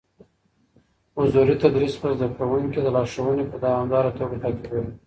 حضوري تدريس به زده کوونکي د لارښوونې په دوامداره توګه تعقيبوي.